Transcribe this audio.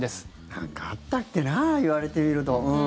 なんかあったっけな言われてみると。